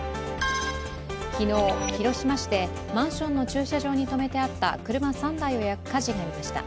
昨日広島市でマンションの駐車場に止めてあった車３台を焼く火事がありました。